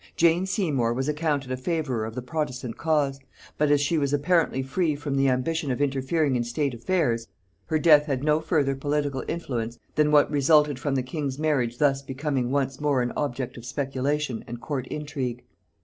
Jane Seymour was accounted a favourer of the protestant cause; but as she was apparently free from the ambition of interfering in state affairs, her death had no further political influence than what resulted from the king's marriage thus becoming once more an object of speculation and court intrigue.